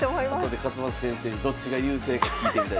後で勝又先生にどっちが優勢か聞いてみたいと思います。